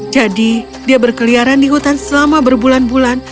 jadi dia berkeliaran di hutan selama berbulan bulan